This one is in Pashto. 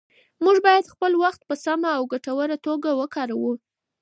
موږ باید خپل وخت په سمه او ګټوره توګه وکاروو